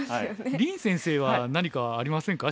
林先生は何かありませんか？